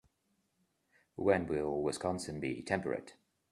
When will Wisconsin be temperate?